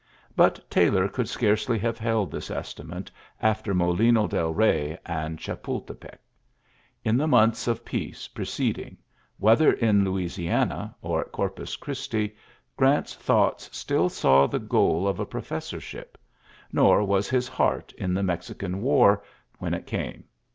'' But Taylor could scarcely have held this estimate after Molino del Eey and Chapultepec. In the months of peace preceding^ whether in Louisiana or at Corpus Christi, Grant's thoughts still saw the goal of a professorship ; nor was his heart in the Mexican "War, when it came.